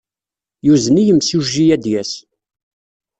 Yuzen i yimsujji ad d-yas.